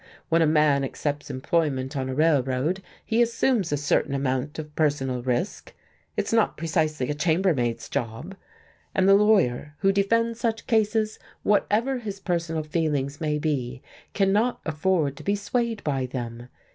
When a man accepts employment on a railroad he assumes a certain amount of personal risk, it's not precisely a chambermaid's job. And the lawyer who defends such cases, whatever his personal feelings may be, cannot afford to be swayed by them.